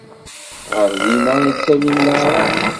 Ɣer dinna i ttalin leɛrac.